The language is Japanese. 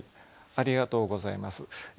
ありがとうございます。